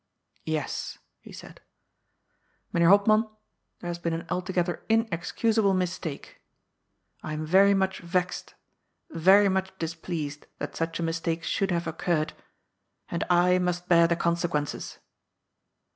j " Yes," he said, " Mr. Hopman, there has been an alto gether inexcusable mistake. I am very much vexed, very much displeased, that such a mistake should have occurred, and I must bear the consequences."